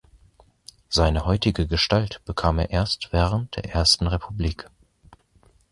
Seine heutige Gestalt bekam er erst während der Ersten Republik.